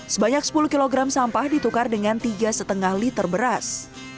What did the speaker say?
sebanyak sepuluh kg sampah ditukar dengan tiga lima liter beras